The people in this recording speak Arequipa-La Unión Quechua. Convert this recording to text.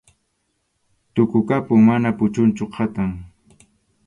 Tukukapun, mana puchunchu, kʼatam.